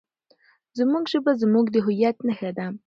زموږ ژبه زموږ د هویت نښه ده.